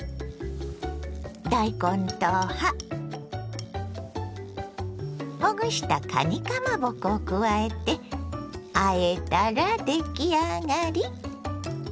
大根と葉ほぐしたかにかまぼこを加えてあえたら出来上がり。